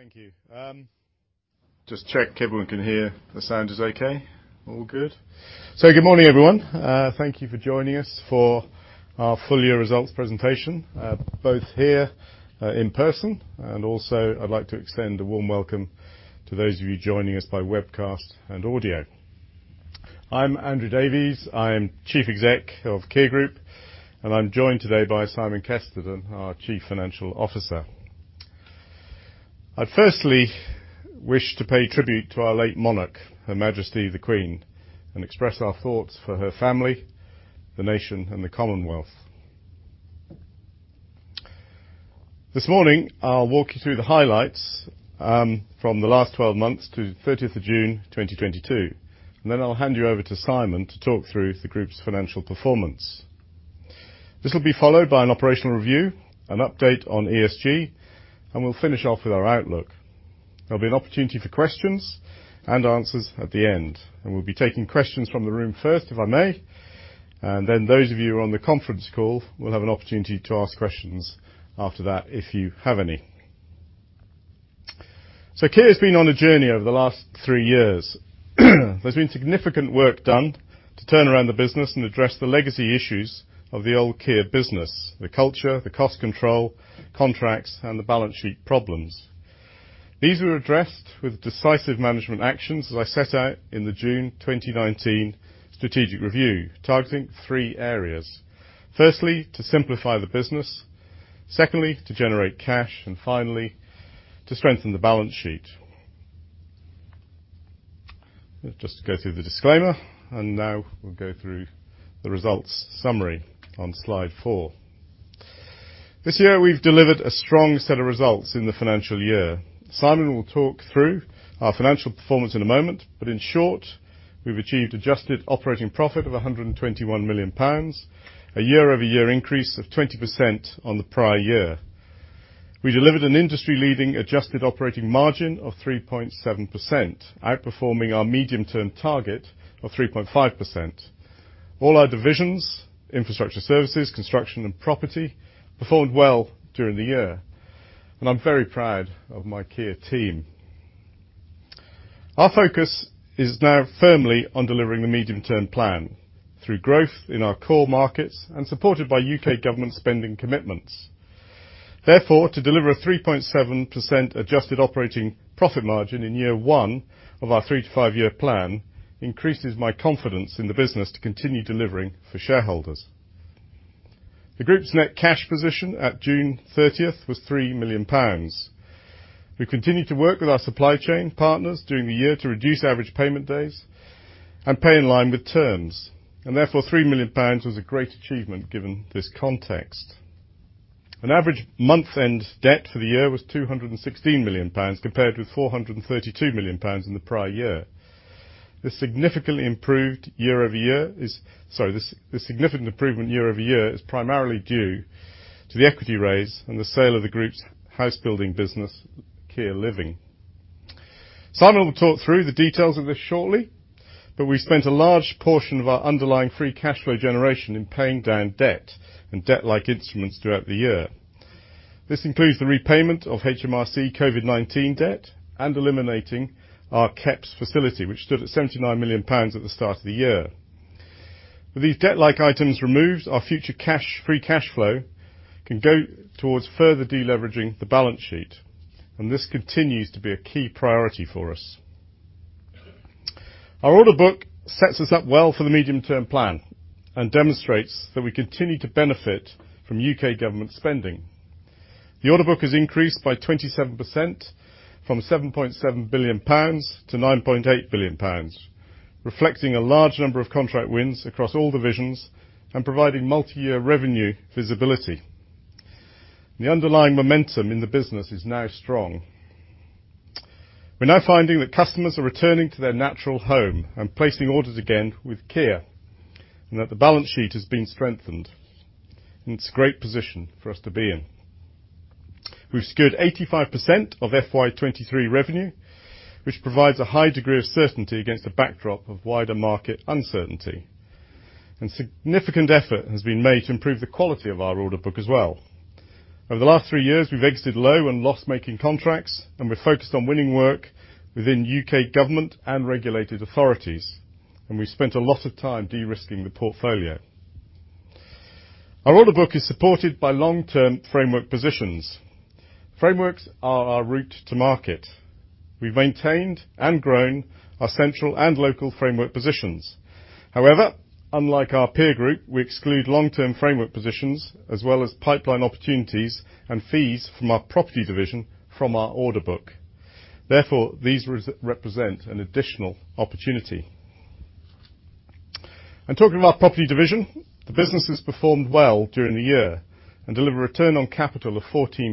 Thank you. Just check everyone can hear, the sound is okay. All good. Good morning, everyone. Thank you for joining us for our full year results presentation, both here, in person, and also I'd like to extend a warm welcome to those of you joining us by webcast and audio. I'm Andrew Davies. I am Chief Exec of Kier Group, and I'm joined today by Simon Kesterton, our Chief Financial Officer. I firstly wish to pay tribute to our late monarch, Her Majesty the Queen, and express our thoughts for her family, the nation and the Commonwealth. This morning, I'll walk you through the highlights, from the last 12 months to 30 June 2022, and then I'll hand you over to Simon to talk through the group's financial performance. This will be followed by an operational review, an update on ESG, and we'll finish off with our outlook. There'll be an opportunity for questions and answers at the end, and we'll be taking questions from the room first, if I may. Then those of you who are on the conference call will have an opportunity to ask questions after that, if you have any. Kier has been on a journey over the last three years. There's been significant work done to turn around the business and address the legacy issues of the old Kier business, the culture, the cost control, contracts, and the balance sheet problems. These were addressed with decisive management actions, as I set out in the June 2019 strategic review, targeting three areas. Firstly, to simplify the business. Secondly, to generate cash. Finally, to strengthen the balance sheet. Just to go through the disclaimer, now we'll go through the results summary on slide four. This year, we've delivered a strong set of results in the financial year. Simon will talk through our financial performance in a moment, but in short, we've achieved adjusted operating profit of 121 million pounds, a year-over-year increase of 20% on the prior year. We delivered an industry-leading adjusted operating margin of 3.7%, outperforming our medium-term target of 3.5%. All our divisions, infrastructure services, construction, and property, performed well during the year, and I'm very proud of my Kier team. Our focus is now firmly on delivering the Medium-Term Plan through growth in our core markets and supported by UK government spending commitments. To deliver a 3.7% adjusted operating profit margin in year one of our three to five year plan increases my confidence in the business to continue delivering for shareholders. The group's net cash position at June 30 was 3 million pounds. We continued to work with our supply chain partners during the year to reduce average payment days and pay in line with terms, and therefore, 3 million pounds was a great achievement given this context. An average month-end debt for the year was 216 million pounds compared with 432 million pounds in the prior year. This significant improvement year-over-year is primarily due to the equity raise and the sale of the group's house-building business, Kier Living. Simon will talk through the details of this shortly, but we spent a large portion of our underlying free cash flow generation in paying down debt and debt-like instruments throughout the year. This includes the repayment of HMRC COVID-19 debt and eliminating our KEPS facility, which stood at 79 million pounds at the start of the year. With these debt-like items removed, our future cash free cash flow can go towards further deleveraging the balance sheet, and this continues to be a key priority for us. Our order book sets us up well for the medium-term plan and demonstrates that we continue to benefit from UK government spending. The order book has increased by 27% from 7.7 billion pounds to 9.8 billion pounds, reflecting a large number of contract wins across all divisions and providing multi-year revenue visibility. The underlying momentum in the business is now strong. We're now finding that customers are returning to their natural home and placing orders again with Kier, and that the balance sheet has been strengthened. It's a great position for us to be in. We've secured 85% of FY 2023 revenue, which provides a high degree of certainty against a backdrop of wider market uncertainty. Significant effort has been made to improve the quality of our order book as well. Over the last three years, we've exited low and loss-making contracts, and we're focused on winning work within UK government and regulated authorities, and we've spent a lot of time de-risking the portfolio. Our order book is supported by long-term framework positions. Frameworks are our route to market. We've maintained and grown our central and local framework positions. However, unlike our peer group, we exclude long-term framework positions as well as pipeline opportunities and fees from our property division from our order book. Therefore, these represent an additional opportunity. Talking of our property division, the business has performed well during the year and delivered return on capital of 14%.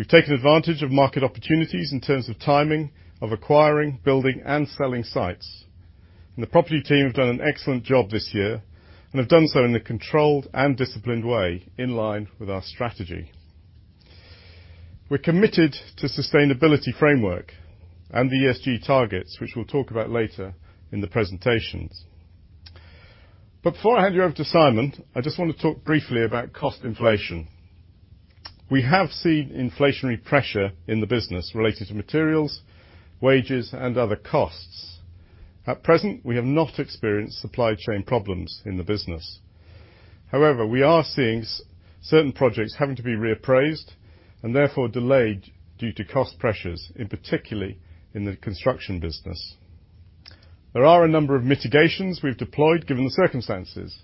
We've taken advantage of market opportunities in terms of timing, of acquiring, building, and selling sites. The property team have done an excellent job this year and have done so in a controlled and disciplined way, in line with our strategy. We're committed to sustainability framework and the ESG targets, which we'll talk about later in the presentations. Before I hand you over to Simon, I just wanna talk briefly about cost inflation. We have seen inflationary pressure in the business related to materials, wages, and other costs. At present, we have not experienced supply chain problems in the business. However, we are seeing certain projects having to be reappraised, and therefore delayed due to cost pressures, in particular in the construction business. There are a number of mitigations we've deployed given the circumstances.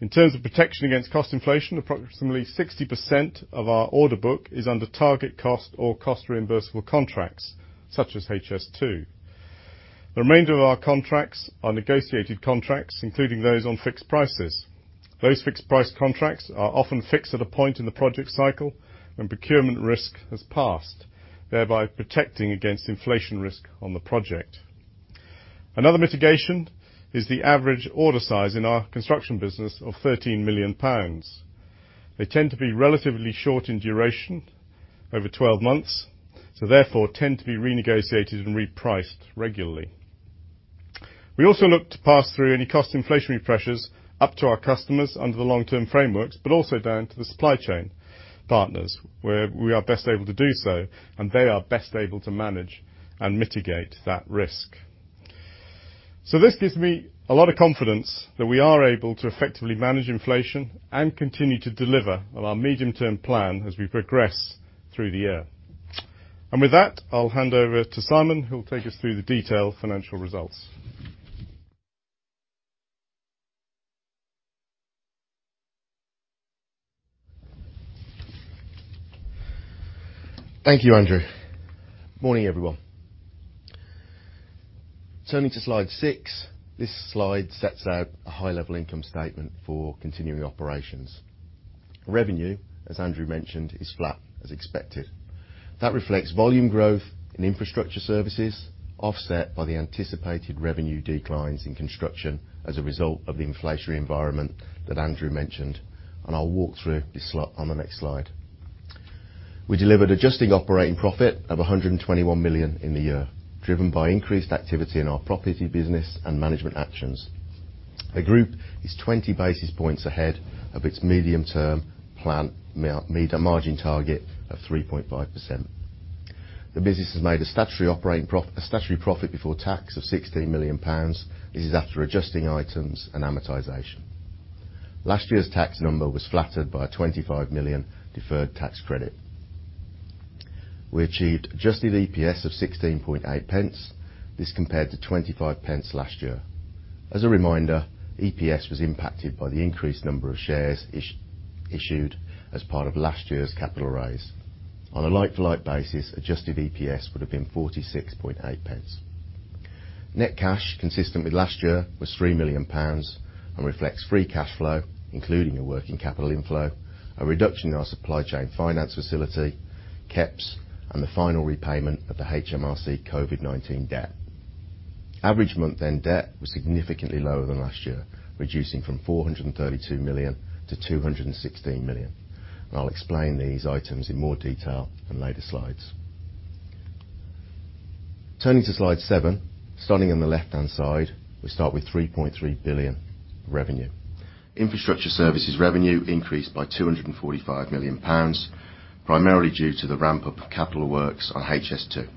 In terms of protection against cost inflation, approximately 60% of our order book is under target cost or cost reimbursable contracts, such as HS2. The remainder of our contracts are negotiated contracts, including those on fixed prices. Those fixed-price contracts are often fixed at a point in the project cycle when procurement risk has passed, thereby protecting against inflation risk on the project. Another mitigation is the average order size in our construction business of 13 million pounds. They tend to be relatively short in duration, over 12 months, so therefore tend to be renegotiated and repriced regularly. We also look to pass through any cost inflationary pressures up to our customers under the long-term frameworks, but also down to the supply chain partners, where we are best able to do so, and they are best able to manage and mitigate that risk. This gives me a lot of confidence that we are able to effectively manage inflation and continue to deliver on our medium-term plan as we progress through the year. With that, I'll hand over to Simon, who will take us through the detailed financial results. Thank you, Andrew. Morning, everyone. Turning to slide six, this slide sets out a high-level income statement for continuing operations. Revenue, as Andrew mentioned, is flat as expected. That reflects volume growth in infrastructure services, offset by the anticipated revenue declines in construction as a result of the inflationary environment that Andrew mentioned. I'll walk through this on the next slide. We delivered adjusting operating profit of 121 million in the year, driven by increased activity in our property business and management actions. The group is 20 basis points ahead of its medium-term margin target of 3.5%. The business has made a statutory profit before tax of 16 million pounds. This is after adjusting items and amortization. Last year's tax number was flattered by a 25 million deferred tax credit. We achieved adjusted EPS of 16.8 pence. This compared to 25 pence last year. As a reminder, EPS was impacted by the increased number of shares issued as part of last year's capital raise. On a like-for-like basis, adjusted EPS would have been 46.8 pence. Net cash, consistent with last year, was 3 million pounds and reflects free cash flow, including a working capital inflow, a reduction in our supply chain finance facility, CapEx, and the final repayment of the HMRC COVID-19 debt. Average month-end debt was significantly lower than last year, reducing from 432 million to 216 million. I'll explain these items in more detail in later slides. Turning to slide seven, starting on the left-hand side, we start with 3.3 billion revenue. Infrastructure services revenue increased by 245 million pounds, primarily due to the ramp-up of capital works on HS2.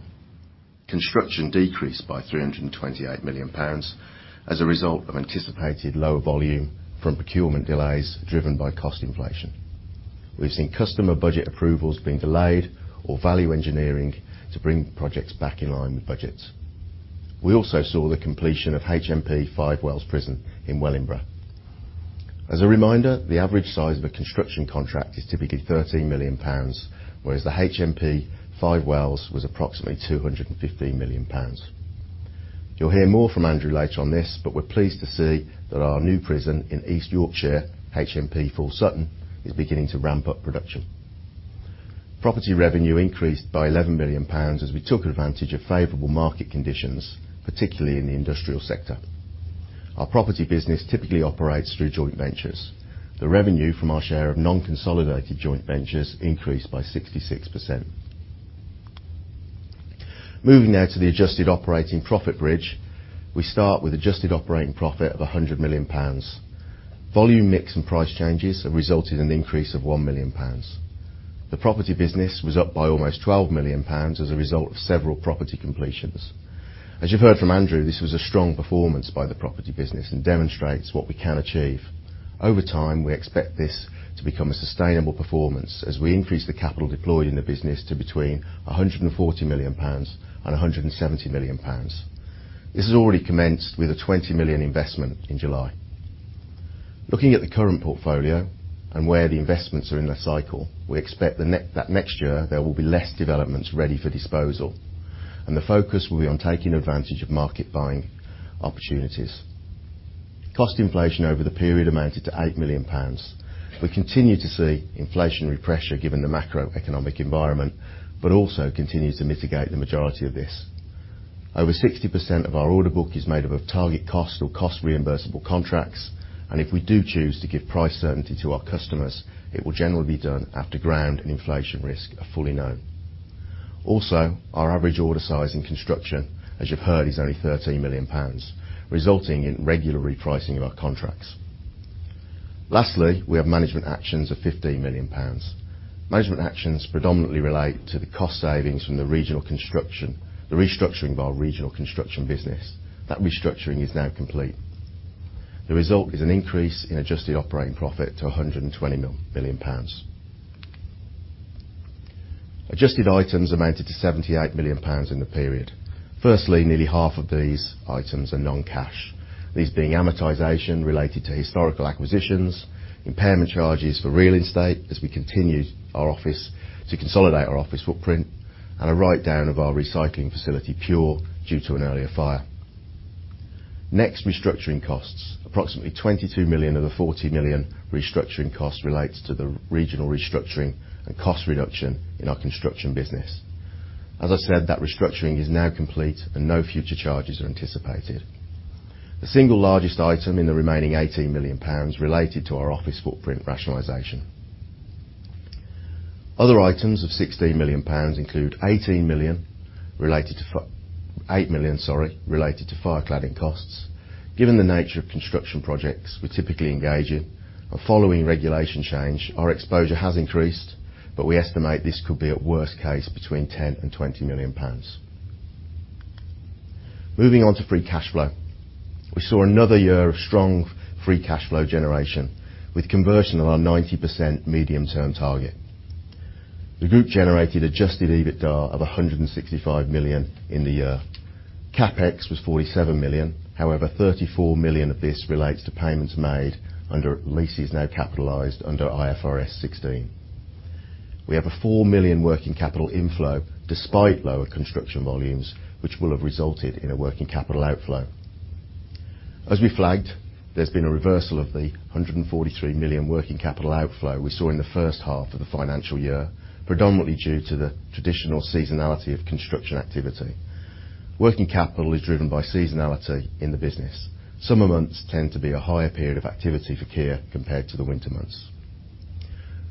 Construction decreased by 328 million pounds as a result of anticipated lower volume from procurement delays driven by cost inflation. We've seen customer budget approvals being delayed or value engineering to bring projects back in line with budgets. We also saw the completion of HMP Five Wells Prison in Wellingborough. As a reminder, the average size of a construction contract is typically 13 million pounds, whereas the HMP Five Wells was approximately 215 million pounds. You'll hear more from Andrew later on this, but we're pleased to see that our new prison in East Yorkshire, HMP Full Sutton, is beginning to ramp up production. Property revenue increased by 11 million pounds as we took advantage of favorable market conditions, particularly in the industrial sector. Our property business typically operates through joint ventures. The revenue from our share of non-consolidated joint ventures increased by 66%. Moving now to the adjusted operating profit bridge, we start with adjusted operating profit of 100 million pounds. Volume mix and price changes have resulted in an increase of 1 million pounds. The property business was up by almost 12 million pounds as a result of several property completions. As you've heard from Andrew, this was a strong performance by the property business and demonstrates what we can achieve. Over time, we expect this to become a sustainable performance as we increase the capital deployed in the business to between 140 million pounds and 170 million pounds. This has already commenced with a 20 million investment in July. Looking at the current portfolio and where the investments are in their cycle, we expect that next year, there will be less developments ready for disposal, and the focus will be on taking advantage of market buying opportunities. Cost inflation over the period amounted to 8 million pounds. We continue to see inflationary pressure given the macroeconomic environment, but also continues to mitigate the majority of this. Over 60% of our order book is made up of target cost or cost reimbursable contracts. If we do choose to give price certainty to our customers, it will generally be done after ground and inflation risk are fully known. Also, our average order size in construction, as you've heard, is only 13 million pounds, resulting in regular repricing of our contracts. Lastly, we have management actions of 15 million pounds. Management actions predominantly relate to the cost savings from the restructuring of our regional construction business. That restructuring is now complete. The result is an increase in adjusted operating profit to 120 million pounds. Adjusted items amounted to 78 million pounds in the period. Firstly, nearly half of these items are non-cash, these being amortization related to historical acquisitions, impairment charges for real estate as we continue to consolidate our office footprint, and a write-down of our recycling facility, Pure, due to an earlier fire. Next, restructuring costs. Approximately 22 million of the 40 million restructuring cost relates to the regional restructuring and cost reduction in our construction business. As I said, that restructuring is now complete, and no future charges are anticipated. The single largest item in the remaining 18 million pounds related to our office footprint rationalization. Other items of 16 million pounds include eight million related to fire cladding costs. Given the nature of construction projects we typically engage in, and following regulation change, our exposure has increased, but we estimate this could be at worst case between 10 million and 20 million pounds. Moving on to free cash flow. We saw another year of strong free cash flow generation, with conversion of our 90% medium-term target. The group generated adjusted EBITDA of 165 million in the year. CapEx was 47 million. However, 34 million of this relates to payments made under leases now capitalized under IFRS 16. We have a 4 million working capital inflow despite lower construction volumes, which will have resulted in a working capital outflow. As we flagged, there's been a reversal of the 143 million working capital outflow we saw in the first half of the financial year, predominantly due to the traditional seasonality of construction activity. Working capital is driven by seasonality in the business. Summer months tend to be a higher period of activity for Kier compared to the winter months.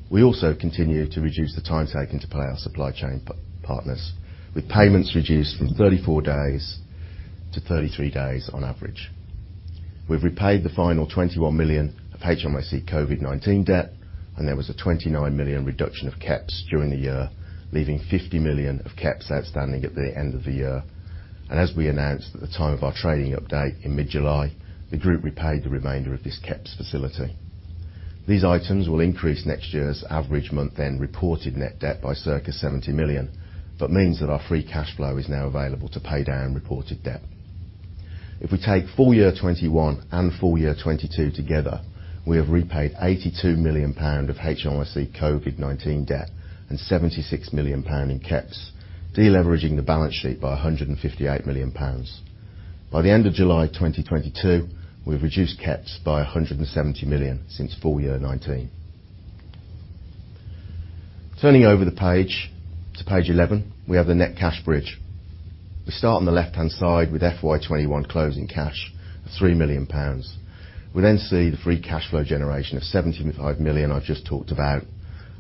We also continue to reduce the time taken to pay our supply chain partners, with payments reduced from 34 days to 33 days on average. We've repaid the final 21 million of HMRC COVID-19 debt, and there was a 29 million reduction of CapEx during the year, leaving 50 million of CapEx outstanding at the end of the year. As we announced at the time of our trading update in mid-July, the group repaid the remainder of this CapEx facility. These items will increase next year's average month end reported net debt by circa 70 million, but means that our free cash flow is now available to pay down reported debt. If we take full year 2021 and full year 2022 together, we have repaid 82 million pound of HMRC COVID-19 debt and 76 million pound in CapEx, de-leveraging the balance sheet by 158 million pounds. By the end of July 2022, we've reduced CapEx by 170 million since full year 2019. Turning over the page to page 11, we have the net cash bridge. We start on the left-hand side with FY 2021 closing cash of 3 million pounds. We then see the free cash flow generation of 75 million I've just talked about,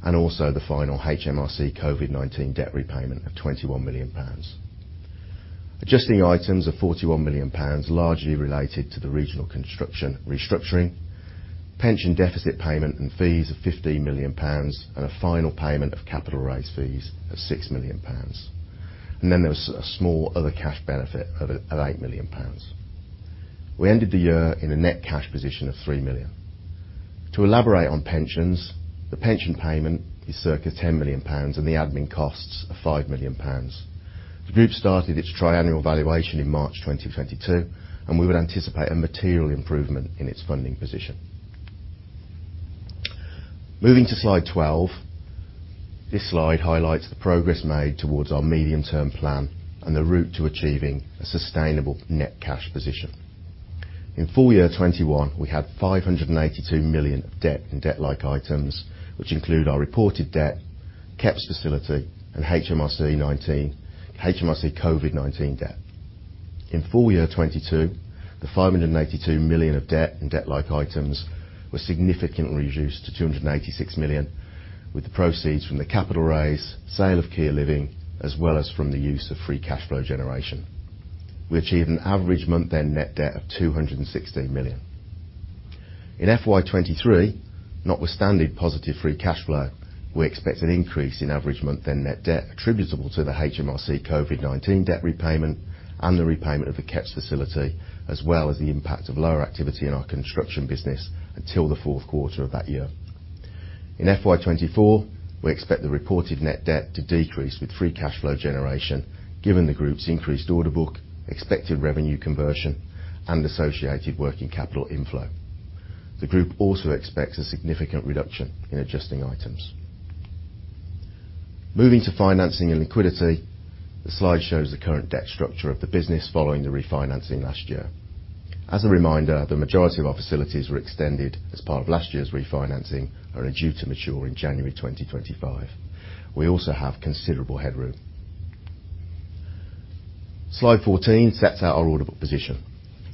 and also the final HMRC COVID-19 debt repayment of 21 million pounds. Adjusting items of 41 million pounds largely related to the regional construction restructuring, pension deficit payment and fees of 15 million pounds, and a final payment of capital raise fees of 6 million pounds. Then there was a small other cash benefit of eight million pounds. We ended the year in a net cash position of 3 million. To elaborate on pensions, the pension payment is circa 10 million pounds and the admin costs are 5 million pounds. The group started its triennial valuation in March 2022, and we would anticipate a material improvement in its funding position. Moving to slide 12. This slide highlights the progress made towards our medium-term plan and the route to achieving a sustainable net cash position. In full year 2021, we had 582 million of debt and debt-like items, which include our reported debt, KEPS facility, and HMRC COVID-19 debt. In full year 2022, the 582 million of debt and debt-like items were significantly reduced to 286 million, with the proceeds from the capital raise, sale of Kier Living, as well as from the use of free cash flow generation. We achieved an average month-end net debt of 216 million. In FY 2023, notwithstanding positive free cash flow, we expect an increase in average month-end net debt attributable to the HMRC COVID-19 debt repayment and the repayment of the KEPS facility, as well as the impact of lower activity in our construction business until the fourth quarter of that year. In FY 2024, we expect the reported net debt to decrease with free cash flow generation given the group's increased order book, expected revenue conversion, and associated working capital inflow. The group also expects a significant reduction in adjusting items. Moving to financing and liquidity, the slide shows the current debt structure of the business following the refinancing last year. As a reminder, the majority of our facilities were extended as part of last year's refinancing and are due to mature in January 2025. We also have considerable headroom. Slide 14 sets out our order book position.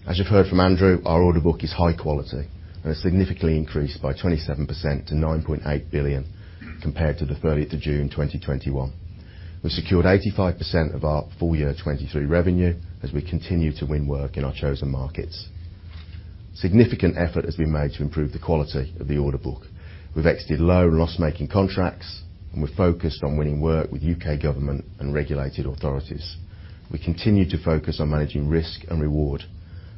As you've heard from Andrew, our order book is high quality and has significantly increased by 27% to 9.8 billion compared to June 30, 2021. We've secured 85% of our full year 2023 revenue as we continue to win work in our chosen markets. Significant effort has been made to improve the quality of the order book. We've exited low loss-making contracts, and we're focused on winning work with UK government and regulated authorities. We continue to focus on managing risk and reward.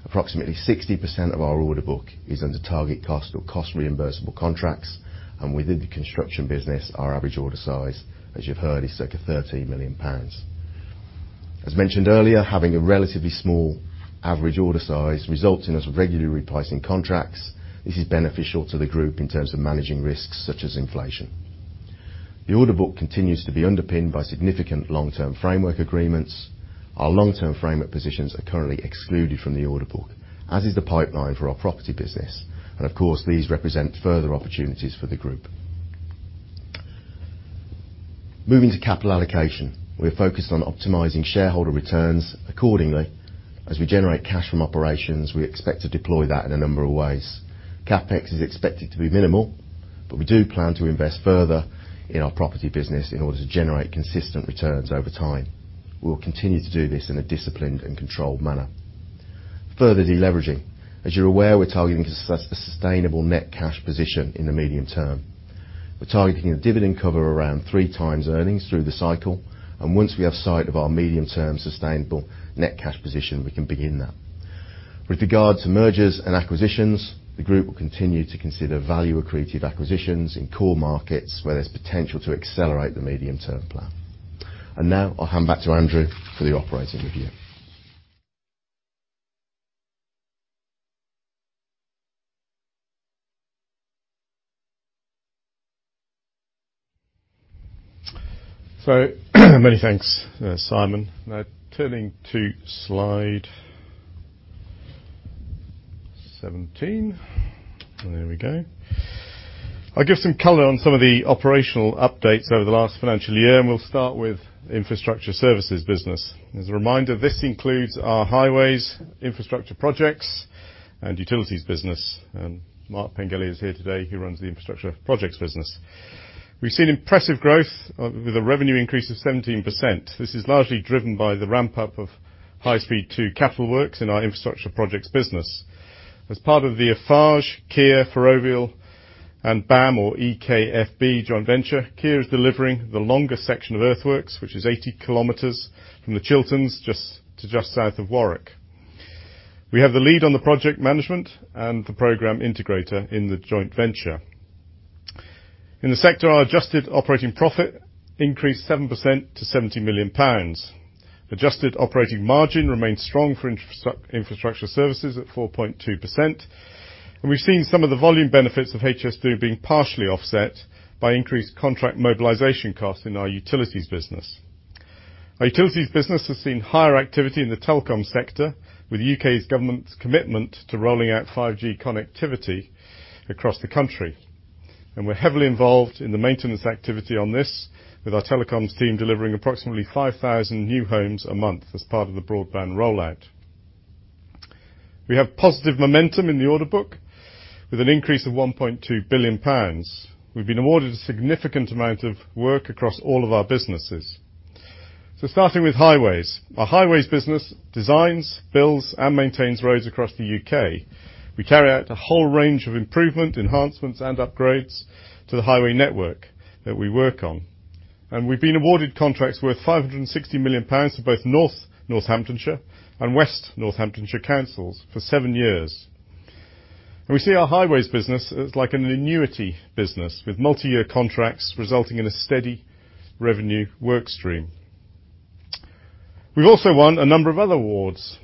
Approximately 60% of our order book is under target cost or cost-reimbursable contracts, and within the construction business, our average order size, as you've heard, is circa 13 million pounds. As mentioned earlier, having a relatively small average order size results in us regularly repricing contracts. This is beneficial to the group in terms of managing risks such as inflation. The order book continues to be underpinned by significant long-term framework agreements. Our long-term framework positions are currently excluded from the order book, as is the pipeline for our property business. Of course, these represent further opportunities for the group. Moving to capital allocation. We're focused on optimizing shareholder returns accordingly. As we generate cash from operations, we expect to deploy that in a number of ways. CapEx is expected to be minimal, but we do plan to invest further in our property business in order to generate consistent returns over time. We'll continue to do this in a disciplined and controlled manner. Further deleveraging. As you're aware, we're targeting sustainable net cash position in the medium term. We're targeting a dividend cover around three times earnings through the cycle, and once we have sight of our medium-term sustainable net cash position, we can begin that. With regards to mergers and acquisitions, the group will continue to consider value-accretive acquisitions in core markets where there's potential to accelerate the medium-term plan. Now I'll hand back to Andrew for the operating review. Many thanks, Simon. Now turning to slide 17. There we go. I'll give some color on some of the operational updates over the last financial year, and we'll start with infrastructure services business. As a reminder, this includes our highways, infrastructure projects, and utilities business. Mark Pengelly is here today. He runs the infrastructure projects business. We've seen impressive growth, with a revenue increase of 17%. This is largely driven by the ramp-up of High Speed Two capital works in our infrastructure projects business. As part of the Eiffage, Kier, Ferrovial, and BAM (EKFB) joint venture, Kier is delivering the longest section of earthworks, which is 80 km from the Chilterns to just south of Warwick. We have the lead on the project management and the program integrator in the joint venture. In the sector, our adjusted operating profit increased 7% to 70 million pounds. Adjusted operating margin remained strong for infrastructure services at 4.2%, and we've seen some of the volume benefits of HS2 being partially offset by increased contract mobilization costs in our utilities business. Our utilities business has seen higher activity in the telecom sector with UK government's commitment to rolling out 5G connectivity across the country. We're heavily involved in the maintenance activity on this with our telecoms team delivering approximately 5,000 new homes a month as part of the broadband rollout. We have positive momentum in the order book with an increase of 1.2 billion pounds. We've been awarded a significant amount of work across all of our businesses. Starting with highways. Our highways business designs, builds, and maintains roads across the UK. We carry out a whole range of improvement, enhancements, and upgrades to the highway network that we work on. We've been awarded contracts worth 560 million pounds to both North Northamptonshire and West Northamptonshire councils for seven years. We see our highways business as like an annuity business with multiyear contracts resulting in a steady revenue work stream. We've also won a number of other awards.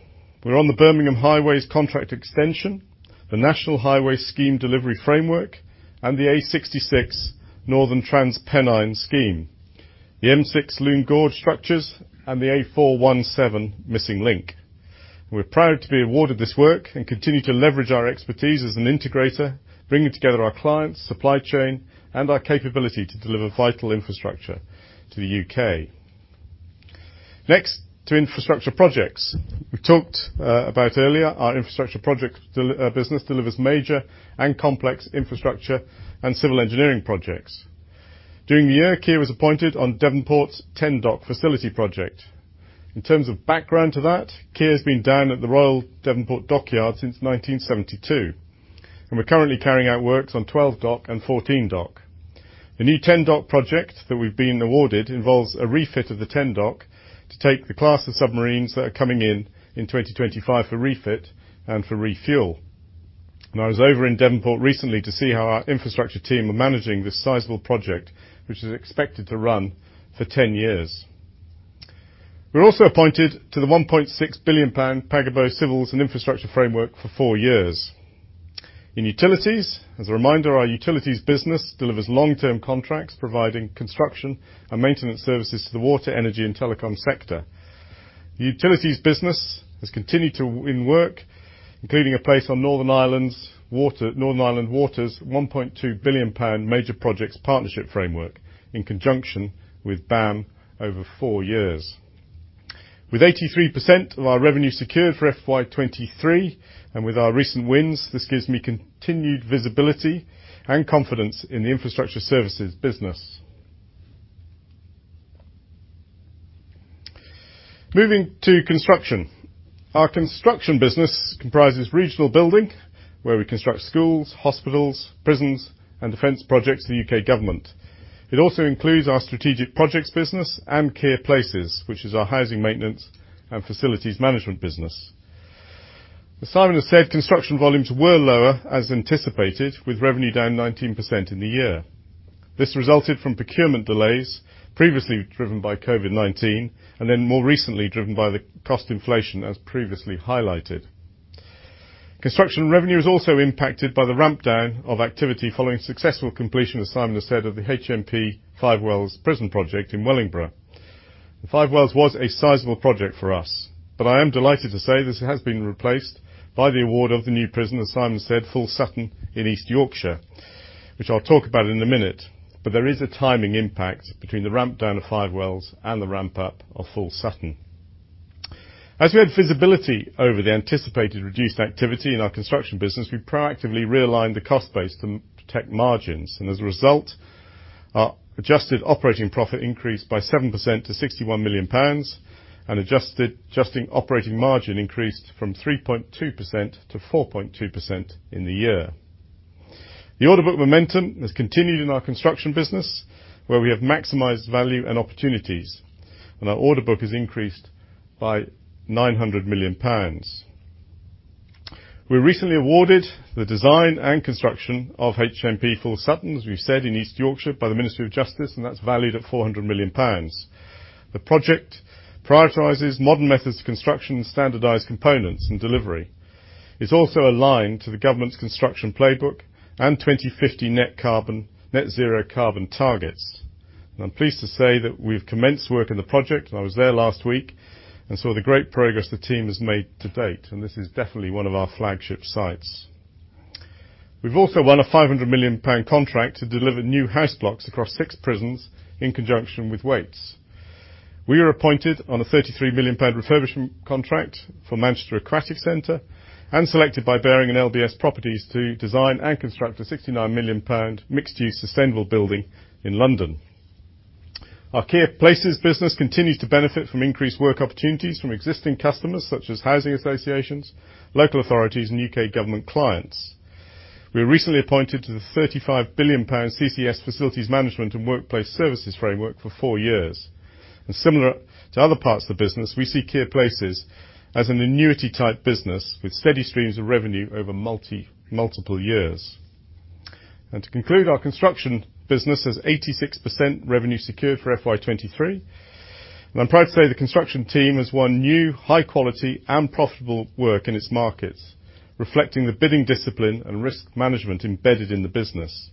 We're on the Birmingham Highways Contract Extension, the National Highways Scheme Delivery Framework, and the A66 Northern TransPennine scheme, the M6 Lune Gorge structures, and the A417 Missing Link. We're proud to be awarded this work and continue to leverage our expertise as an integrator, bringing together our clients, supply chain, and our capability to deliver vital infrastructure to the UK. Next, to infrastructure projects. We talked about earlier our infrastructure business delivers major and complex infrastructure and civil engineering projects. During the year, Kier was appointed on Devonport's 10 Dock facility project. In terms of background to that, Kier's been down at the Royal Devonport Dockyard since 1972, and we're currently carrying out works on 12 Dock and 14 Dock. The new 10 Dock project that we've been awarded involves a refit of the 10 Dock to take the class of submarines that are coming in in 2025 for refit and for refuel. I was over in Devonport recently to see how our infrastructure team were managing this sizable project, which is expected to run for 10 years. We're also appointed to the 1.6 billion Pagabo civils and infrastructure framework for four years. In utilities, as a reminder, our utilities business delivers long-term contracts providing construction and maintenance services to the water, energy, and telecom sector. The utilities business has continued to win work, including a place on Northern Ireland Water's 1.2 billion pound major projects partnership framework in conjunction with BAM over four years. With 83% of our revenue secured for FY 2023, and with our recent wins, this gives me continued visibility and confidence in the infrastructure services business. Moving to construction. Our construction business comprises regional building, where we construct schools, hospitals, prisons, and defense projects for the U.K. government. It also includes our strategic projects business and Kier Places, which is our housing maintenance and facilities management business. As Simon has said, construction volumes were lower, as anticipated, with revenue down 19% in the year. This resulted from procurement delays previously driven by COVID-19, and then more recently driven by the cost inflation, as previously highlighted. Construction revenue is also impacted by the ramp down of activity following successful completion, as Simon has said, of the HMP Five Wells prison project in Wellingborough. The Five Wells was a sizable project for us, but I am delighted to say this has been replaced by the award of the new prison, as Simon said, Full Sutton in East Yorkshire, which I'll talk about in a minute. There is a timing impact between the ramp down of Five Wells and the ramp up of Full Sutton. As we had visibility over the anticipated reduced activity in our construction business, we proactively realigned the cost base to protect margins. As a result, our adjusted operating profit increased by 7% to 61 million pounds, and adjusted operating margin increased from 3.2% to 4.2% in the year. The order book momentum has continued in our construction business, where we have maximized value and opportunities, and our order book has increased by 900 million pounds. We were recently awarded the design and construction of HMP Full Sutton, as we've said in East Yorkshire, by the Ministry of Justice, and that's valued at 400 million pounds. The project prioritizes modern methods of construction and standardized components and delivery. It's also aligned to the government's Construction Playbook and 2050 net zero carbon targets. I'm pleased to say that we've commenced work in the project. I was there last week and saw the great progress the team has made to date, and this is definitely one of our flagship sites. We've also won a 500 million pound contract to deliver new house blocks across six prisons in conjunction with Wates. We were appointed on a 33 million pound refurbishment contract for Manchester Aquatics Centre and selected by Barings and LBS Properties to design and construct a 69 million pound mixed-use sustainable building in London. Our Kier Places business continues to benefit from increased work opportunities from existing customers such as housing associations, local authorities, and UK government clients. We were recently appointed to the GBP 35 billion CCS Facilities Management and Workplace Services framework for four years. Similar to other parts of the business, we see Kier Places as an annuity-type business with steady streams of revenue over multiple years. To conclude, our construction business has 86% revenue secured for FY 2023. I'm proud to say the construction team has won new high quality and profitable work in its markets, reflecting the bidding discipline and risk management embedded in the business.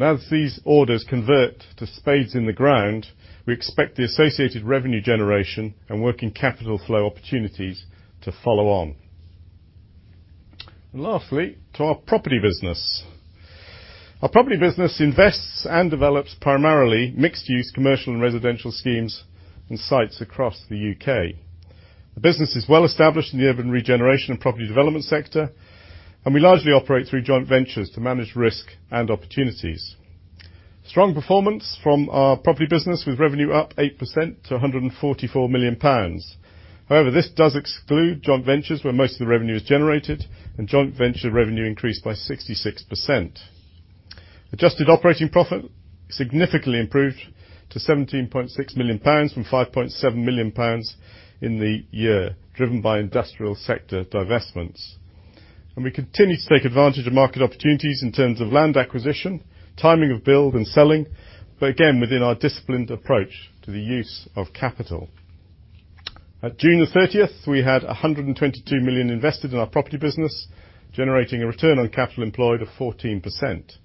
As these orders convert to spades in the ground, we expect the associated revenue generation and working capital flow opportunities to follow on. Lastly, to our property business. Our property business invests and develops primarily mixed-use commercial and residential schemes and sites across the UK. The business is well-established in the urban regeneration and property development sector, and we largely operate through joint ventures to manage risk and opportunities. Strong performance from our property business with revenue up 8% to 144 million pounds. However, this does exclude joint ventures where most of the revenue is generated, and joint venture revenue increased by 66%. Adjusted operating profit significantly improved to GBP 17.6 million from GBP 5.7 million in the year driven by industrial sector divestments. We continue to take advantage of market opportunities in terms of land acquisition, timing of build, and selling, but again, within our disciplined approach to the use of capital. At June 30, we had 122 million invested in our property business, generating a return on capital employed of 14%.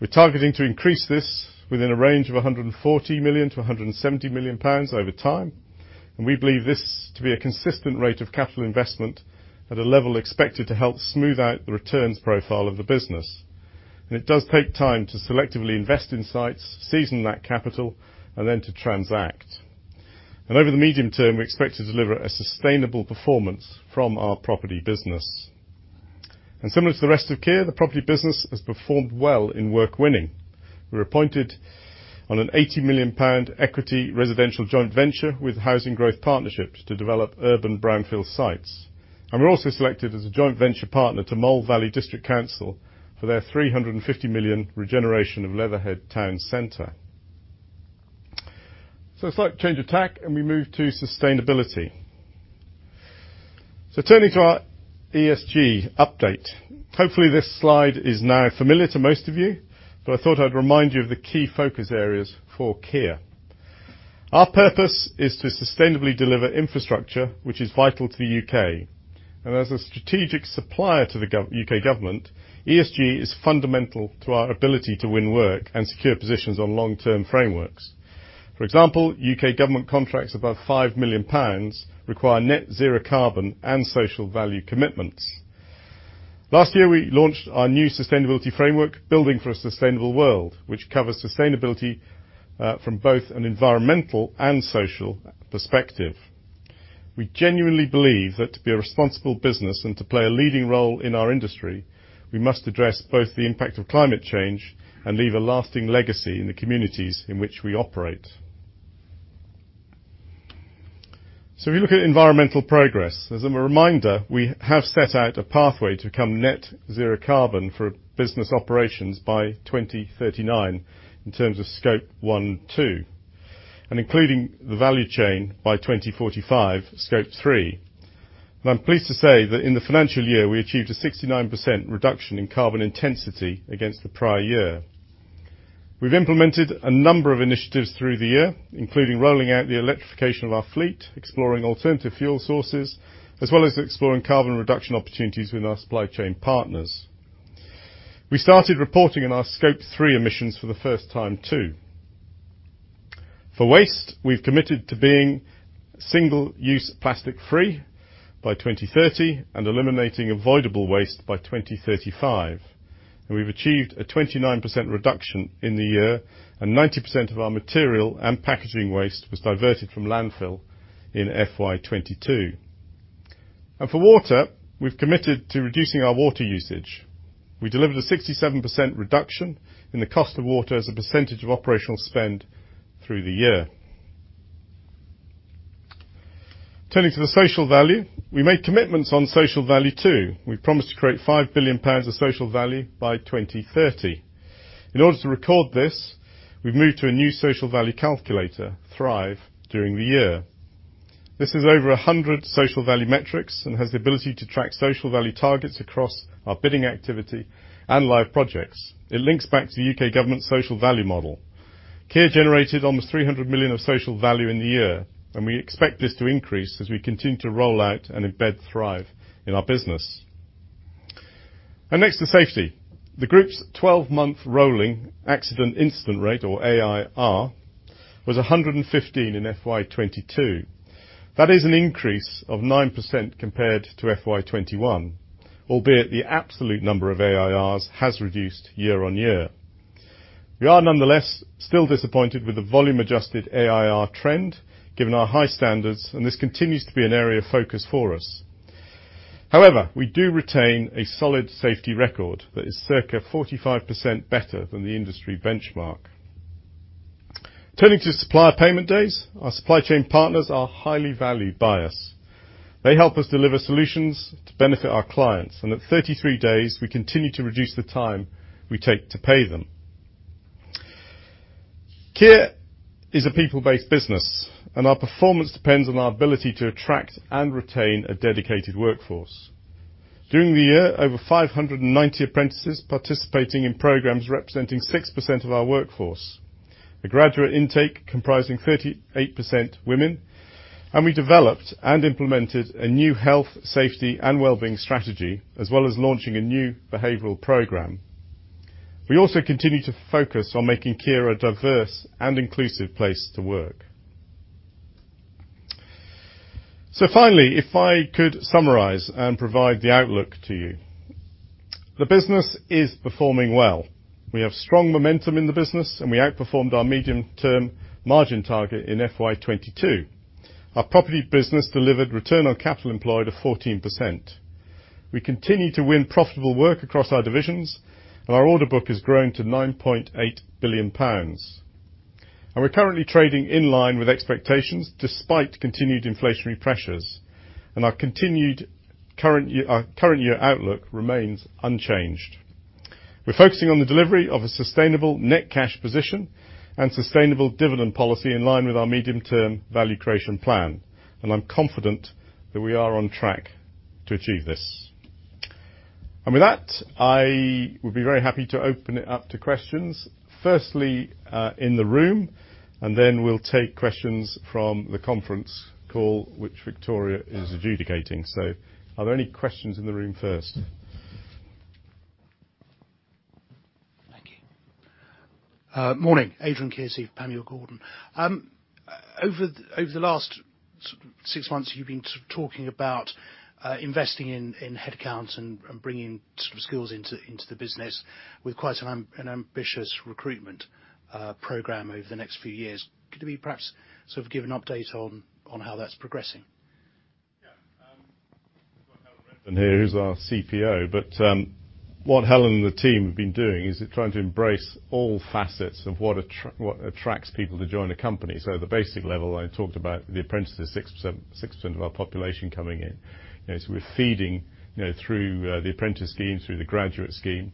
We're targeting to increase this within a range of 140 million to 170 million pounds over time, and we believe this to be a consistent rate of capital investment at a level expected to help smooth out the returns profile of the business. It does take time to selectively invest in sites, season that capital, and then to transact. Over the medium term, we expect to deliver a sustainable performance from our property business. Similar to the rest of Kier, the property business has performed well in work winning. We were appointed on a 80 million pound equity residential joint venture with Housing Growth Partnership to develop urban brownfield sites. We're also selected as a joint venture partner to Mole Valley District Council for their 350 million regeneration of Leatherhead town center. A slight change of tack, and we move to sustainability. Turning to our ESG update. Hopefully, this slide is now familiar to most of you, but I thought I'd remind you of the key focus areas for Kier. Our purpose is to sustainably deliver infrastructure which is vital to the UK. As a strategic supplier to the UK government, ESG is fundamental to our ability to win work and secure positions on long-term frameworks. For example, UK government contracts above 5 million pounds require net zero carbon and social value commitments. Last year, we launched our new sustainability framework, Building for a Sustainable World, which covers sustainability from both an environmental and social perspective. We genuinely believe that to be a responsible business and to play a leading role in our industry, we must address both the impact of climate change and leave a lasting legacy in the communities in which we operate. If you look at environmental progress, as a reminder, we have set out a pathway to become net zero carbon for business operations by 2039 in terms of scope one, two. Including the value chain by 2045, scope three. I'm pleased to say that in the financial year, we achieved a 69% reduction in carbon intensity against the prior year. We've implemented a number of initiatives through the year, including rolling out the electrification of our fleet, exploring alternative fuel sources, as well as exploring carbon reduction opportunities with our supply chain partners. We started reporting in our scope three emissions for the first time too. For waste, we've committed to being single-use plastic-free by 2030 and eliminating avoidable waste by 2035. We've achieved a 29% reduction in the year, and 90% of our material and packaging waste was diverted from landfill in FY 2022. For water, we've committed to reducing our water usage. We delivered a 67% reduction in the cost of water as a percentage of operational spend through the year. Turning to the social value, we made commitments on social value too. We promised to create 5 billion pounds of social value by 2030. In order to record this, we've moved to a new social value calculator, Thrive, during the year. This is over 100 social value metrics and has the ability to track social value targets across our bidding activity and live projects. It links back to UK government social value model. Kier generated almost 300 million of social value in the year, and we expect this to increase as we continue to roll out and embed Thrive in our business. Next to safety. The group's 12-month rolling accident incident rate, or AIR, was 115 in FY 2022. That is an increase of 9% compared to FY 2021, albeit the absolute number of AIRs has reduced year-over-year. We are nonetheless still disappointed with the volume adjusted AIR trend given our high standards, and this continues to be an area of focus for us. However, we do retain a solid safety record that is circa 45% better than the industry benchmark. Turning to supplier payment days, our supply chain partners are highly valued by us. They help us deliver solutions to benefit our clients. At 33 days, we continue to reduce the time we take to pay them. Kier is a people-based business, and our performance depends on our ability to attract and retain a dedicated workforce. During the year, over 590 apprentices participating in programs representing 6% of our workforce. The graduate intake comprising 38% women, and we developed and implemented a new health, safety, and well-being strategy, as well as launching a new behavioral program. We also continue to focus on making Kier a diverse and inclusive place to work. Finally, if I could summarize and provide the outlook to you. The business is performing well. We have strong momentum in the business, and we outperformed our medium-term margin target in FY 2022. Our property business delivered return on capital employed of 14%. We continue to win profitable work across our divisions, and our order book has grown to 9.8 billion pounds. We're currently trading in line with expectations despite continued inflationary pressures. Our current year outlook remains unchanged. We're focusing on the delivery of a sustainable net cash position and sustainable dividend policy in line with our medium-term value creation plan, and I'm confident that we are on track to achieve this. With that, I would be very happy to open it up to questions. Firstly, in the room, and then we'll take questions from the conference call which Victoria is adjudicating. Are there any questions in the room first? Thank you. Morning. Adrian Kearsey, Panmure Gordon. Over the last six months, you've been talking about investing in headcounts and bringing sort of skills into the business with quite an ambitious recruitment program over the next few years. Could we perhaps sort of give an update on how that's progressing? Here's our CPO. What Helen and the team have been doing is they're trying to embrace all facets of what attracts people to join the company. At the basic level, I talked about the apprentices, 6% of our population coming in. As we're feeding, you know, through the apprentice scheme, through the graduate scheme.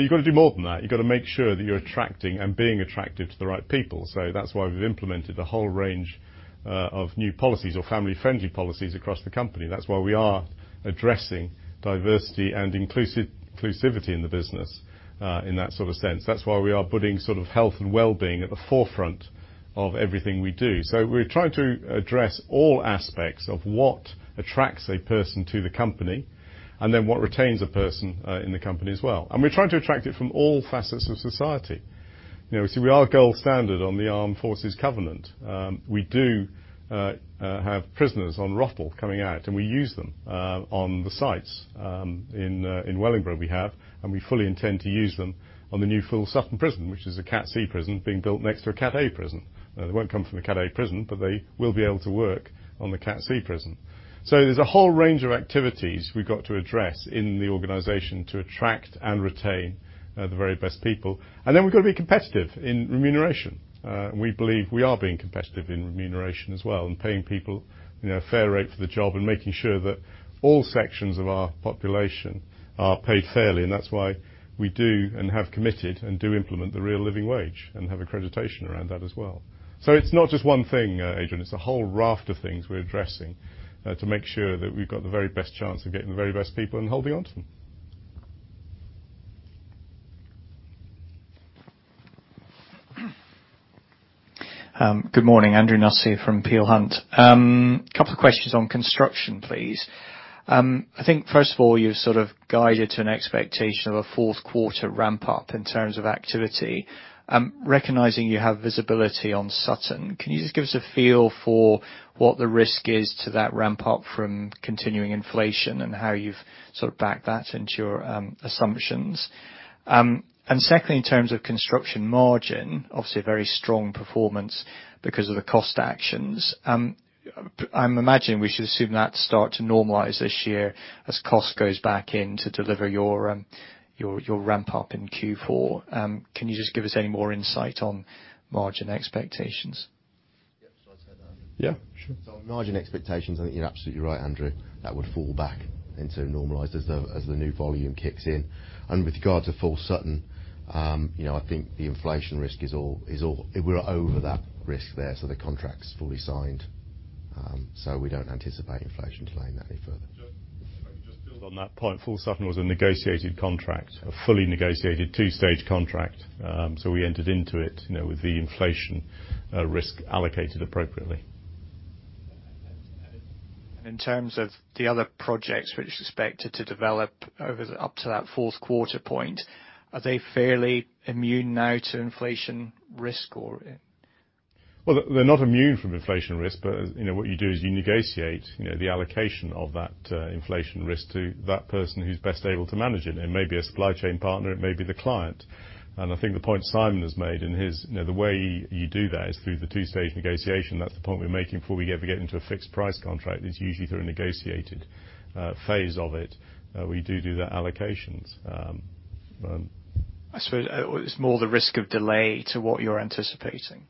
You've got to do more than that. You've got to make sure that you're attracting and being attractive to the right people. That's why we've implemented a whole range of new policies or family-friendly policies across the company. That's why we are addressing diversity and inclusivity in the business, in that sort of sense. That's why we are putting sort of health and well-being at the forefront of everything we do. We're trying to address all aspects of what attracts a person to the company, and then what retains a person in the company as well. We're trying to attract it from all facets of society. You know, we are a gold standard on the Armed Forces Covenant. We do have prisoners on ROTL coming out, and we use them on the sites in Wellingborough, we have. We fully intend to use them on the new Full Sutton Prison, which is a Cat C prison being built next to a Cat A prison. They won't come from a Cat A prison, but they will be able to work on the Cat C prison. There's a whole range of activities we've got to address in the organization to attract and retain the very best people. We've got to be competitive in remuneration. We believe we are being competitive in remuneration as well and paying people, you know, a fair rate for the job and making sure that all sections of our population are paid fairly. That's why we do and have committed and do implement the real living wage and have accreditation around that as well. It's not just one thing, Adrian, it's a whole raft of things we're addressing, to make sure that we've got the very best chance of getting the very best people and holding on to them. Good morning. Andrew Nussey from Peel Hunt. A couple of questions on construction, please. I think, first of all, you've sort of guided to an expectation of a fourth-quarter ramp up in terms of activity. Recognizing you have visibility on Sutton, can you just give us a feel for what the risk is to that ramp up from continuing inflation and how you've sort of backed that into your assumptions? Secondly, in terms of construction margin, obviously a very strong performance because of the cost actions. I'm imagining we should assume that start to normalize this year as cost goes back in to deliver your ramp up in Q4. Can you just give us any more insight on margin expectations? Yes, should I take that one? Yeah, sure. Margin expectations, I think you're absolutely right, Andrew. That would fall back into normalized as the new volume kicks in. With regards to Full Sutton, I think the inflation risk is all. We're over that risk there, so the contract's fully signed. We don't anticipate inflation delaying that any further. Just to build on that point, Full Sutton was a negotiated contract, a fully negotiated two-stage contract. We entered into it, you know, with the inflation risk allocated appropriately. In terms of the other projects which is expected to develop over up to that fourth quarter point, are they fairly immune now to inflation risk or? Well, they're not immune from inflation risk, but, you know, what you do is you negotiate, you know, the allocation of that, inflation risk to that person who's best able to manage it. It may be a supply chain partner, it may be the client. I think the point Simon has made in his, you know, the way you do that is through the two-stage negotiation. That's the point we're making before we ever get into a fixed price contract. It's usually through a negotiated phase of it. We do the allocations. I suppose it's more the risk of delay to what you're anticipating.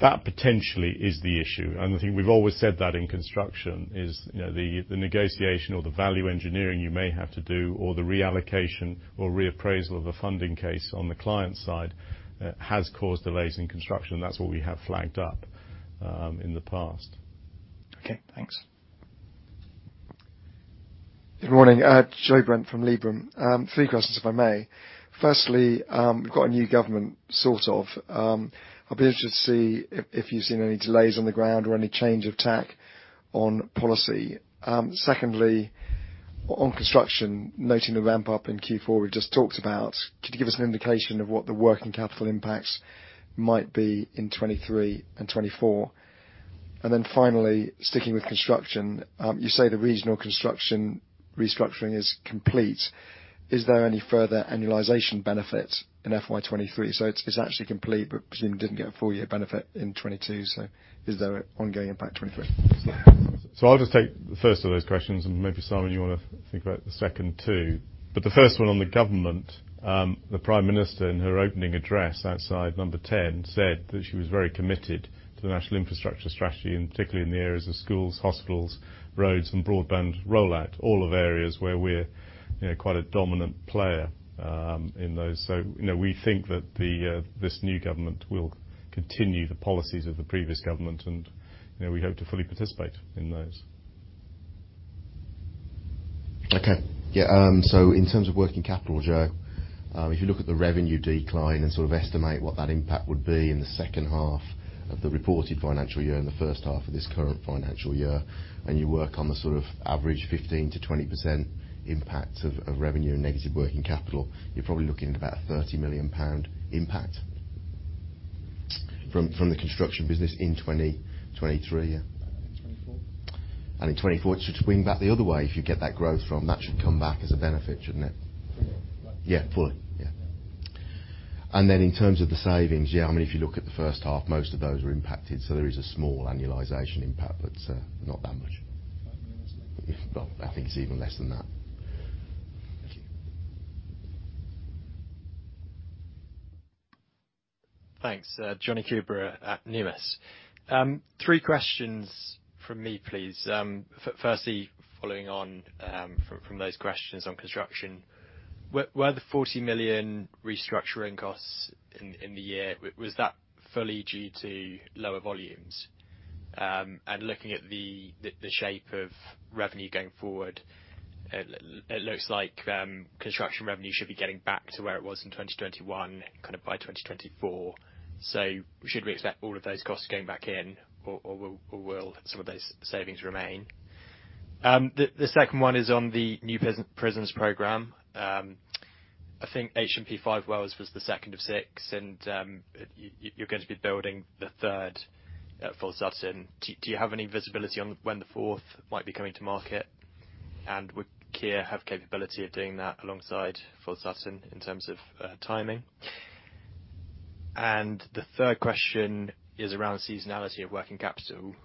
That potentially is the issue. I think we've always said that in construction is, you know, the negotiation or the value engineering you may have to do or the reallocation or reappraisal of a funding case on the client side, has caused delays in construction. That's what we have flagged up, in the past. Okay, thanks. Good morning. Joe Brent from Liberum. Three questions, if I may. Firstly, we've got a new government, sort of. I'll be interested to see if you've seen any delays on the ground or any change of tack on policy. Secondly, on construction, noting the ramp up in Q4 we just talked about, could you give us an indication of what the working capital impacts might be in 2023 and 2024? Finally, sticking with construction, you say the regional construction restructuring is complete. Is there any further annualization benefit in FY 2023? It's actually complete, but presumably didn't get a full year benefit in 2022. Is there ongoing impact 2023? I'll just take the first of those questions, and maybe, Simon, you wanna think about the second two. The first one on the government, the Prime Minister in her opening address outside number 10, said that she was very committed to the national infrastructure strategy, and particularly in the areas of schools, hospitals, roads, and broadband rollout, all of areas where we're, you know, quite a dominant player, in those. You know, we think that the this new government will continue the policies of the previous government, and, you know, we hope to fully participate in those. Okay. Yeah, in terms of working capital, Joe, if you look at the revenue decline and sort of estimate what that impact would be in the second half of the reported financial year and the first half of this current financial year, and you work on the sort of average 15% to 20% impact of revenue and negative working capital, you're probably looking at about 30 million pound impact from the construction business in 2023. in 2024. In 2024, it should swing back the other way if you get that growth from, that should come back as a benefit, shouldn't it? Yeah, fully. Yeah. Then in terms of the savings, yeah, I mean, if you look at the first half, most of those are impacted, so there is a small annualization impact, but not that much. GBP 5 million or something. Well, I think it's even less than that. Thank you. Thanks. Jonny Coubrough at Numis. Three questions from me, please. Firstly, following on from those questions on construction, were the 40 million restructuring costs in the year was that fully due to lower volumes? And looking at the shape of revenue going forward, it looks like construction revenue should be getting back to where it was in 2021 kind of by 2024. So should we expect all of those costs going back in or will some of those savings remain? The second one is on the new prisons program. I think HMP Five Wells was the second of six and you're going to be building the third at Full Sutton. Do you have any visibility on when the fourth might be coming to market? Would Kier have capability of doing that alongside Full Sutton in terms of, timing? The third question is around seasonality of working capital.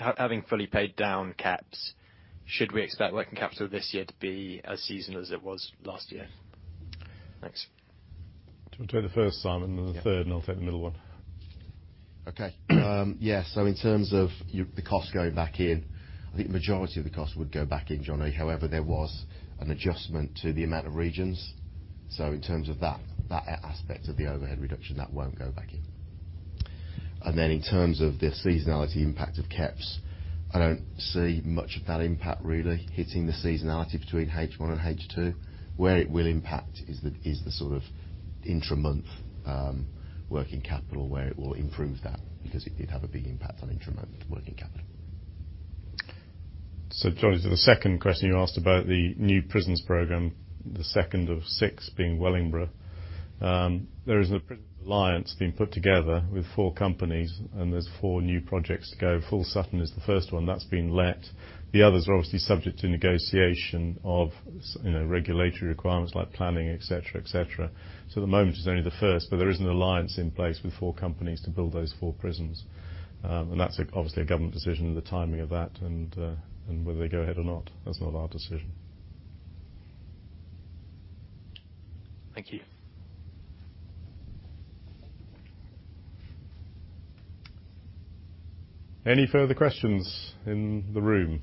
Having fully paid down KEPS, should we expect working capital this year to be as seasonal as it was last year? Thanks. Do you want to do the first, Simon, and then the third, and I'll take the middle one? In terms of the costs going back in, I think the majority of the costs would go back in, Jonny. However, there was an adjustment to the amount of regions. In terms of that aspect of the overhead reduction, that won't go back in. Then in terms of the seasonality impact of KEPS, I don't see much of that impact really hitting the seasonality between H1 and H2. Where it will impact is the sort of intra-month working capital where it will improve that because it did have a big impact on intra-month working capital. Jonny, to the second question you asked about the new prisons program, the second of six being Wellingborough. There is a prison alliance being put together with four companies and there's four new projects to go. Full Sutton is the first one. That's been let. The others are obviously subject to negotiation of regulatory requirements like planning, et cetera, et cetera. At the moment, it's only the first, but there is an alliance in place with four companies to build those four prisons. And that's obviously a government decision, the timing of that and whether they go ahead or not. That's not our decision. Thank you. Any further questions in the room?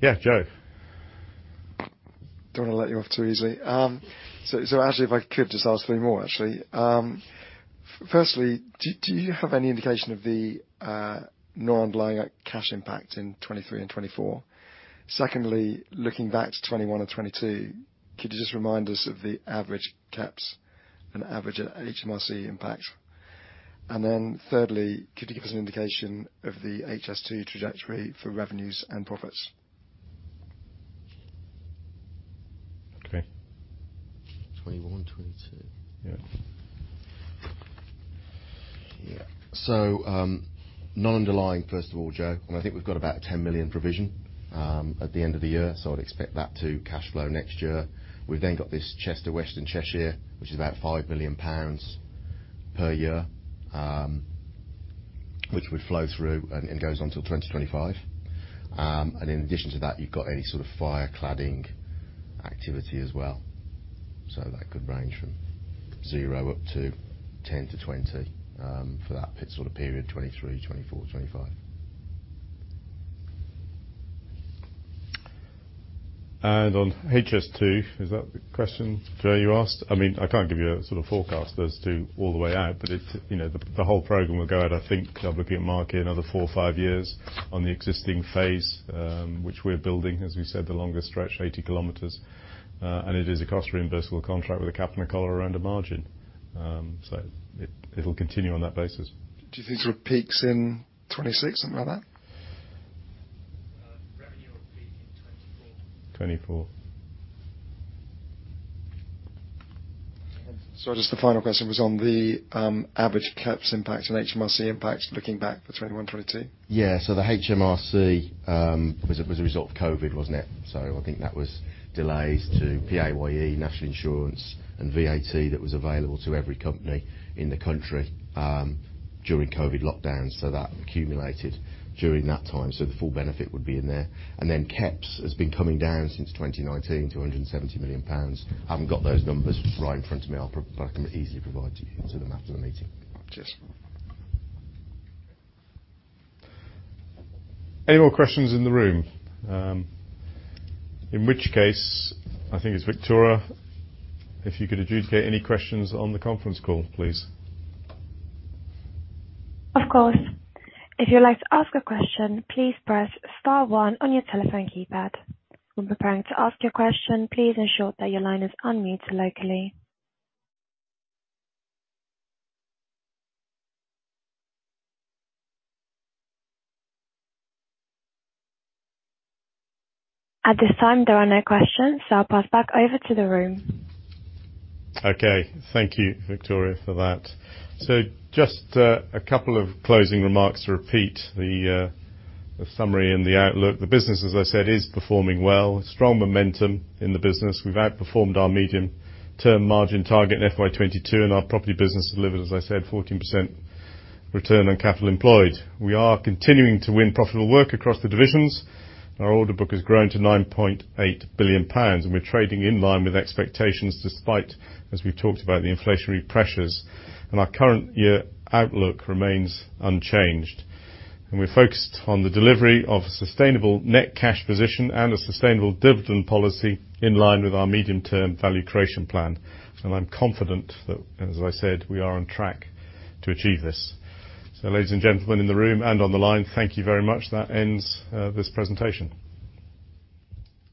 Yeah, Joe. Don't wanna let you off too easily. Actually, if I could just ask three more, actually. Firstly, do you have any indication of the non-underlying cash impact in 2023 and 2024? Secondly, looking back to 2021 and 2022, could you just remind us of the average KEPS and average HMRC impact? Thirdly, could you give us an indication of the HS2 trajectory for revenues and profits? Okay. 2021 and 2022. Yeah. Yeah. Non-underlying, first of all, Joe, and I think we've got about a 10 million provision at the end of the year, so I'd expect that to cash flow next year. We've then got this Cheshire West and Chester, which is about 5 million pounds per year, which would flow through and goes on till 2025. In addition to that, you've got any sort of fire cladding activity as well. That could range from zero up to 10 to 20 for that sort of period, 2023, 2024, 2025. On HS2, is that the question, Joe, you asked? I mean, I can't give you a sort of forecast as to all the way out, but it's, you know, the whole program will go out, I think, probably be at market another four or five years on the existing phase, which we're building, as we said, the longest stretch, 80 km. It is a cost reimbursable contract with a cap and a collar around the margin. It'll continue on that basis. Do you think it peaks in 2026, something like that? Revenue will peak in 2024. 2024. Just the final question was on the average KEPS impact and HMRC impact looking back for 2021, 2022. Yeah, the HMRC was a result of COVID, wasn't it? I think that was delays to PAYE, national insurance, and VAT that was available to every company in the country during COVID lockdown. That accumulated during that time. The full benefit would be in there. KEPS has been coming down since 2019 to 170 million pounds. Haven't got those numbers right in front of me, but I can easily provide to you, to them after the meeting. Cheers. Any more questions in the room? In which case, I think it's Victoria. If you could adjudicate any questions on the conference call, please. Of course. If you'd like to ask a question, please press Star one on your telephone keypad. When preparing to ask your question, please ensure that your line is unmute locally. At this time, there are no questions, so I'll pass back over to the room. Okay. Thank you, Victoria, for that. Just a couple of closing remarks to repeat the summary and the outlook. The business, as I said, is performing well. Strong momentum in the business. We've outperformed our medium-term margin target in FY 2022, and our property business delivered, as I said, 14% return on capital employed. We are continuing to win profitable work across the divisions. Our order book has grown to 9.8 billion pounds, and we're trading in line with expectations despite, as we've talked about, the inflationary pressures. Our current year outlook remains unchanged. We're focused on the delivery of sustainable net cash position and a sustainable dividend policy in line with our medium-term value creation plan. I'm confident that, as I said, we are on track to achieve this. Ladies and gentlemen in the room and on the line, thank you very much. That ends this presentation.